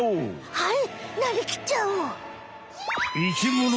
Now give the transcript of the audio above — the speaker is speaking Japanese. はい。